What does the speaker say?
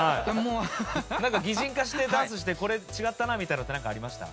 なんか擬人化してダンスしてこれ違ったなみたいなのってなんかありました？